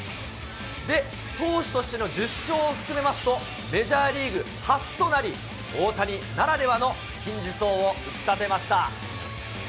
で、投手としての１０勝を含めますと、メジャーリーグ初となり、大谷ならではの金字塔を打ち立てました。